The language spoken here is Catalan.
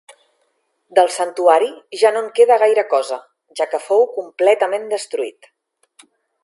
Del santuari ja no en queda gaire cosa, ja que fou completament destruït.